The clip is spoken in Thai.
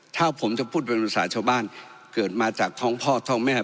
ถ้าผมจะพูดเป็นภาษาชาวบ้านเกิดมาจากท้องพ่อท้องแม่